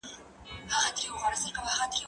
زه پرون لاس پرېولم وم،